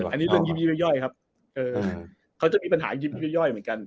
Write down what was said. อันนี้เรื่องยิบย่อยครับเขาจะมีปัญหายิ้มย่อยเหมือนกัน